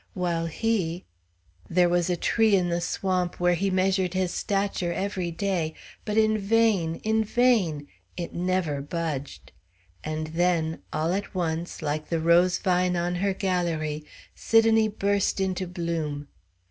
While he there was a tree in the swamp where he measured his stature every day; but in vain, in vain! It never budged! And then all at once like the rose vine on her galérie, Sidonie burst into bloom.